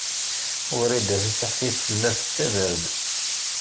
Wrida Tasaḥlit tella tettader-d.